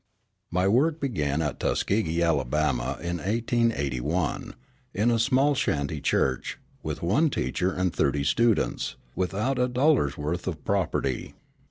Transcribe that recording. My work began at Tuskegee, Alabama, in 1881, in a small shanty church, with one teacher and thirty students, without a dollar's worth of property.